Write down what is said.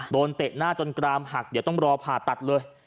เตะหน้าจนกรามหักเดี๋ยวต้องรอผ่าตัดเลย